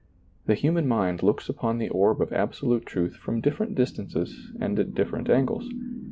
The human mind looks upon the orb of absolute truth from different distances and at different angles.